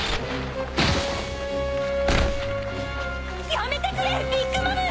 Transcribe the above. やめてくれビッグ・マム！